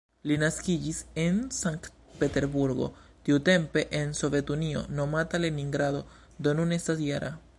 Li naskiĝis en Sankt-Peterburgo, tiutempe en Sovetunio nomata Leningrado, do nun estas -jara.